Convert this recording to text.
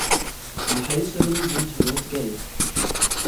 Die Halteren sind rotgelb.